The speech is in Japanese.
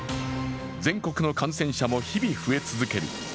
全国の感染者も日々増え続ける